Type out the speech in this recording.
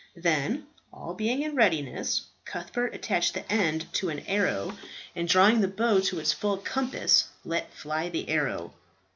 Then, all being in readiness, Cuthbert attached the end to an arrow, and drawing the bow to its full compass, let fly the arrow.